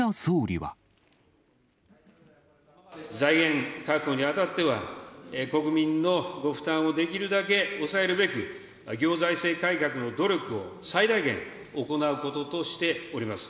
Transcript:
財源確保にあたっては、国民のご負担をできるだけ抑えるべく、行財政改革の努力を最大限行うこととしております。